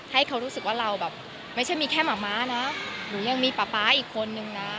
ให้เขารู้สึกว่าเราแบบไม่ใช่มีแค่หมาม้านะหนูยังมีป๊าป๊าอีกคนนึงนะ